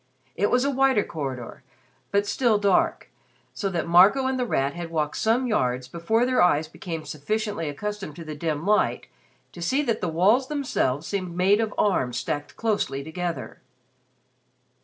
It was a wider corridor, but still dark, so that Marco and The Rat had walked some yards before their eyes became sufficiently accustomed to the dim light to see that the walls themselves seemed made of arms stacked closely together.